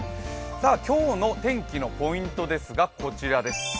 今日の天気のポイントですがこちらです。